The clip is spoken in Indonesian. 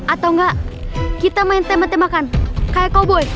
atau enggak kita main tembak tembakan kayak koboi